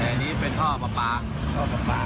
อันนี้เป็นท่อปะป๊าท่อปะป๊า